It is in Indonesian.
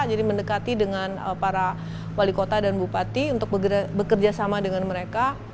jadi mendekati dengan para wali kota dan bupati untuk bekerja sama dengan mereka